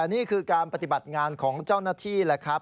นี่คือการปฏิบัติงานของเจ้าหน้าที่แหละครับ